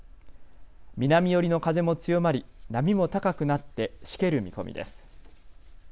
南寄りの風も強まり波も高くなって、しける見込みです。